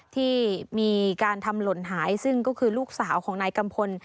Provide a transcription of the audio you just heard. ที่มีการทำหล่นหายซึ่งก็คือลูกสาวของนายกัมพล